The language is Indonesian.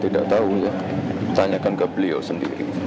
tidak tahu tanyakan ke beliau sendiri